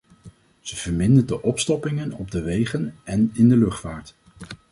Ze vermindert de opstoppingen op de wegen en in de luchtvaart.